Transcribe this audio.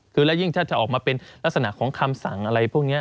คือแล้วยิ่งถ้าจะออกมาเป็นลักษณะของคำสั่งอะไรพวกนี้